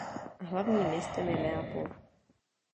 Hlavním městem je Neapol.